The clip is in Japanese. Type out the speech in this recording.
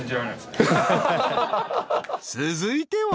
［続いては］